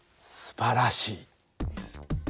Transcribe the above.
すばらしい。